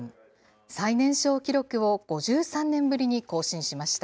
最年少記録を５３年ぶりに更新しました。